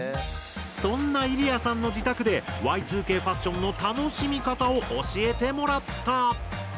そんなイリヤさんの自宅でＹ２Ｋファッションの楽しみ方を教えてもらった。